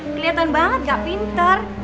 kelihatan banget gak pinter